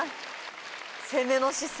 攻めの姿勢。